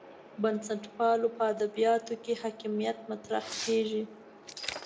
بنسټپالو په ادبیاتو کې حاکمیت مطرح کېږي.